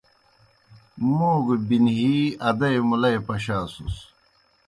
موْ گہ بِنہِی ادَئی مُلئی پشاسُس۔